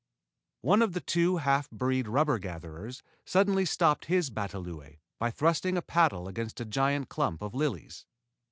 One of the two half breed rubber gatherers suddenly stopped his batalõe by thrusting a paddle against a giant clump of lilies.